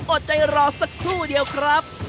อดใจรอสักครู่เดียวครับ